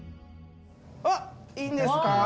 あっいいんですか。